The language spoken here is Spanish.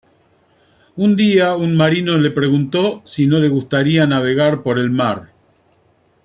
Un día, un marino le preguntó si no le gustaría navegar por el mar.